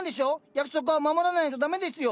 約束は守らないと駄目ですよ。